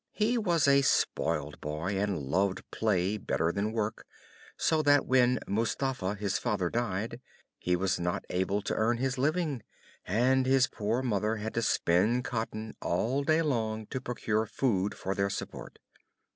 He was a spoiled boy, and loved play better than work; so that when Mustapha, his father, died, he was not able to earn his living; and his poor mother had to spin cotton all day long to procure food for their support.